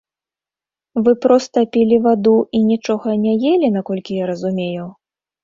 Вы проста пілі ваду і нічога не елі, наколькі я разумею?